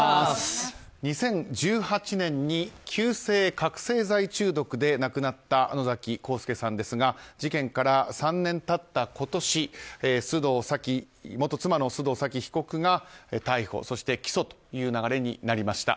２０１８年に急性覚醒剤中毒で亡くなった野崎幸助さんですが事件から３年経った今年元妻の須藤早貴被告が逮捕、そして起訴という流れになりました。